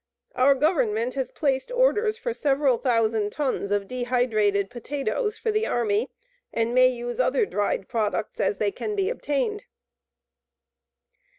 Our Government has placed orders for several thousand tons of dehydrated potatoes for the Army and may use other dried products as they can be obtained.